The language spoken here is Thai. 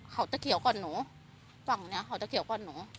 เขาจะเขียวก่อนหนูฝั่งเนี้ยเขาจะเขียวก่อนหนู